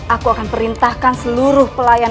aku akan perintahkan seluruh pelayan